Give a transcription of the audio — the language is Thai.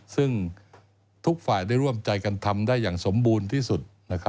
ซึ่งทุกฝ่ายได้ร่วมใจกันทำได้อย่างสมบูรณ์ที่สุด